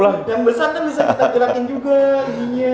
yang besar kan bisa kita gerakin juga izinnya